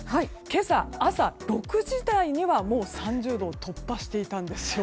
今朝、朝６時台にはもう３０度を突破していたんですよ。